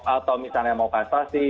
atau misalnya mau kasasi